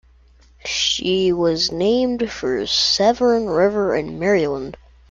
She was named for Severn River in Maryland.